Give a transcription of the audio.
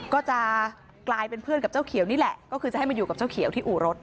ก็จะกลายเป็นเพื่อนกับเจ้าเขียวนี่แหละก็คือจะให้มาอยู่กับเจ้าเขียวที่อู่รถ